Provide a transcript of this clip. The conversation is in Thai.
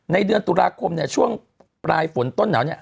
เดือนตุลาคมเนี่ยช่วงปลายฝนต้นหนาวเนี่ย